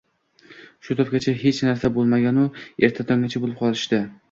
shu tobgacha hech narsa bilmagan-u, «erta tongda» bilib qolishdi?